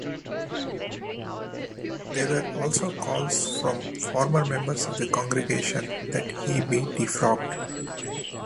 There were also calls from former members of the congregation that he be defrocked.